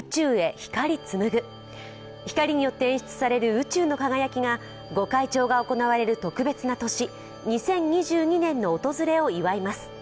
光によって演出される宇宙の輝きが御開帳が行われる特別な年、２０２２年の訪れを祝います。